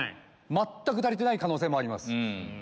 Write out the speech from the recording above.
全く足りてない可能性もあります。